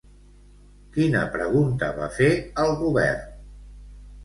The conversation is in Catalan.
Quina pregunta va fer al govern?